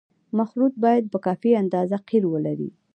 مخلوط باید په کافي اندازه قیر ولري